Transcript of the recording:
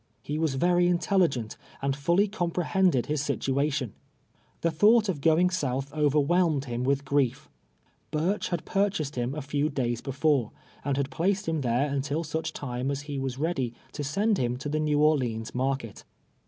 He was very intelligent, and fully comj^rehended his sit uation. Tlie thought of going soutli overwhelmed him with grief. Lurch had purchased him a few days before, and had placed him thereuntil such time as he was ready to send him to the Xew Orleans nuir ket.